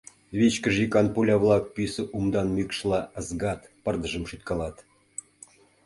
Вичкыж йӱкан пуля-влак пӱсӧ умдан мӱкшла ызгат, пырдыжым шӱткалат.